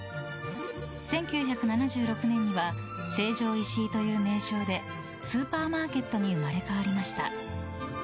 １９７６年には成城石井という名称でスーパーマーケットに生まれ変わりました。